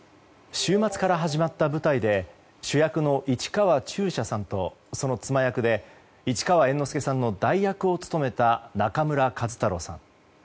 週末から始まった舞台で主役の市川中車さんとその妻役で市川猿之助さんの代役を務めた中村壱太郎さん。